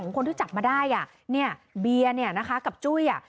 คนที่จับมาได้อ่ะเนี่ยเบียร์เนี่ยนะคะกับจุ้ยอ่ะ